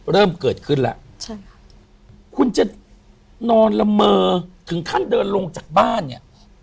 เริ่มเกิดขึ้นแล้วใช่ค่ะคุณจะนอนละเมอถึงขั้นเดินลงจากบ้านเนี่ย